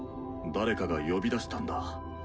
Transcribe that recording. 誰かが呼び出したんだ。